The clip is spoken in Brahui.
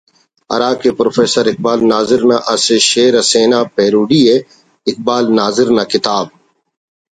ہرا کہ پروفیسر اقبال ناظر نا اسہ شئیر اسینا پیروڈی ءِ اقبال ناظر نا کتاب